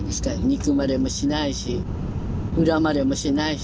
憎まれもしないし恨まれもしないし。